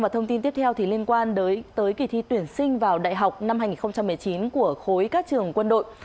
thông tin tiếp theo liên quan tới kỳ thi tuyển sinh vào đại học năm hai nghìn một mươi chín của khối các trường quân đội